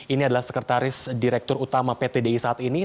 ini adalah sekretaris direktur utama pt di saat ini